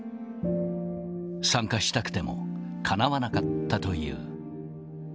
参加したくてもかなわなかったという。